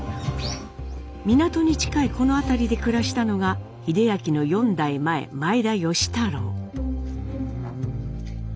港に近いこの辺りで暮らしたのが英明の４代前前田芳太郎。